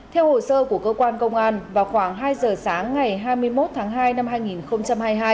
theo hồ sơ của cơ quan công an vào khoảng hai giờ sáng ngày hai mươi một tháng hai năm hai nghìn hai mươi hai